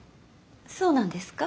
そうなんですか？